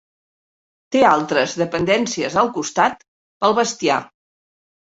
Té altres dependències al costat, pel bestiar.